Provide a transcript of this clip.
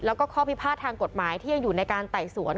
แล้วก็ข้อพิพาททางกฎหมายที่ยังอยู่ในการไต่สวน